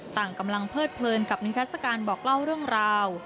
ต่างกำลังเพิดเพลินกับนิทัศกาลบอกเล่าเรื่องราว